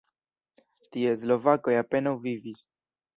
Tie slovakoj apenaŭ vivis.